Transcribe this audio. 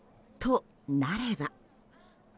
となれば。